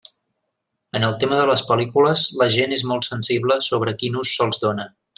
En el tema de les pel·lícules, la gent és molt sensible sobre quin ús se'ls dóna.